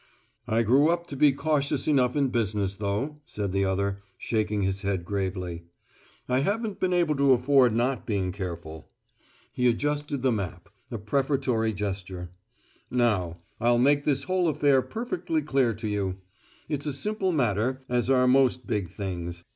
"I grew up to be cautious enough in business, though," said the other, shaking his head gravely. "I haven't been able to afford not being careful." He adjusted the map a prefatory gesture. "Now, I'll make this whole affair perfectly clear to you. It's a simple matter, as are most big things.